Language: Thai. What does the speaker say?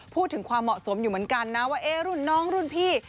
พูดถึงความเหมาะสมอยู่เหมือนกันนะว่ารุ่นน้องรุ่นพี่